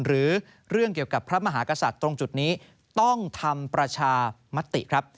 หรือเรื่องเกี่ยวกับพระมหากษัตริย์ตรงจุดนี้ต้องทำประชามติครับ